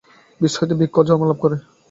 বীজ হইতে বৃক্ষ জন্মলাভ করে।